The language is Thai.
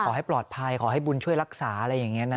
ขอให้ปลอดภัยขอให้บุญช่วยรักษาอะไรอย่างนี้นะ